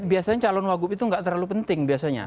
biasanya calon wakil gubernur itu tidak terlalu penting